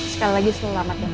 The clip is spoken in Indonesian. sekali lagi selamat datang